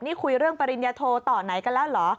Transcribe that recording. นี่คุยเรื่องปริญญาโทต่อไหนกันแล้วเหรอ